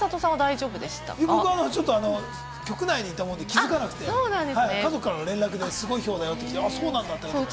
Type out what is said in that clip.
僕は局内にいたもんで気づかなくて、家族からの連絡で、すごいひょうだよって来て。